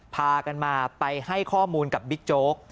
พากันมาไปให้ข้อมูลกับบิ๊กโจ๊ก